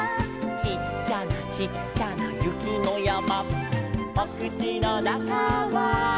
「ちっちゃなちっちゃなゆきのやま」「おくちのなかは」